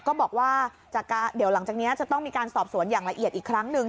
ก็บอกว่าเดี๋ยวหลังจากนี้จะต้องมีการสอบสวนอย่างละเอียดอีกครั้งหนึ่ง